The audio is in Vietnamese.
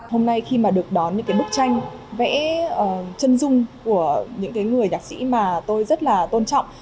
hôm nay khi mà được đón những cái bức tranh vẽ chân dung của những cái người nhạc sĩ mà tôi rất là tôn trọng